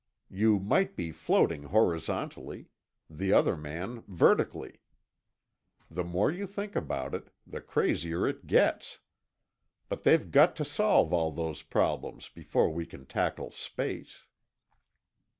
You might be floating horizontally, the other man vertically. The more you think about it, the crazier it gets. But they've got to solve all those problems before we can tackle space."